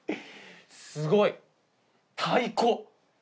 すごい、太鼓。